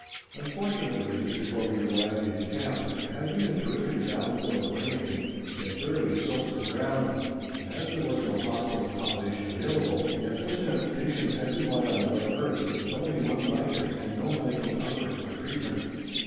Unfortunately, just before we arrived in Camp, there had been a terrific downpour of rain, which had thoroughly soaked the ground, and as there was no hospital accommodation available, the unfortunate patients had to lie on the wet earth, with only one blanket, and no medical comforts or treatment.